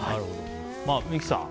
三木さん